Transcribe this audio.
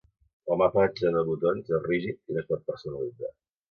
El mapatge de botons és rígid i no es pot personalitzar.